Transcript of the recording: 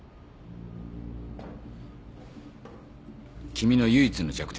君の唯一の弱点